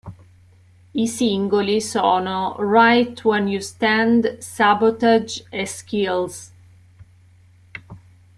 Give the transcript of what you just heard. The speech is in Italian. I singoli sono "Rite When You Stand", "Sabotage" e "Skills".